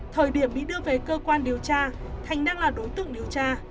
thời điểm bị đưa về cơ quan điều tra thành đang là đối tượng điều tra